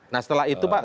nah setelah itu pak